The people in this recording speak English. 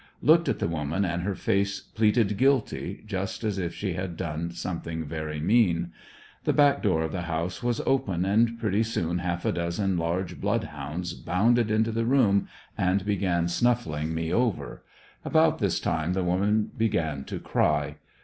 Looked at the woman and her face pleaded guilty, just as if she had done something very mean. The back door of the house was open and pretty soon half a dozen large blood hounds bounded into the room and began snuffing me over; about this time the woman began to cry.